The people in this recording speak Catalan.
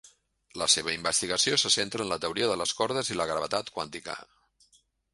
La seva investigació se centra en la teoria de les cordes i la gravetat quàntica.